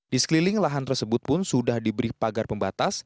di sekeliling lahan tersebut pun sudah diberi pagar pembatas